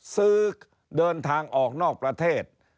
ซื้อเดินทางออกนอกประเทศ